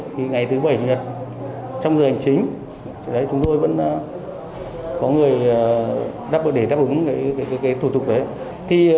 thì ngày thứ bảy chủ nhật trong giờ hành chính chúng tôi vẫn có người để đáp ứng thủ tục đấy